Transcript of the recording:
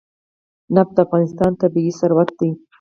نفت د افغانستان طبعي ثروت دی.